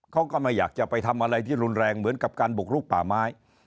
เขาก็ไม่อยากจะไปทำอะไรที่รุนแรงเหมือนกับการบุกลุกป่าไม้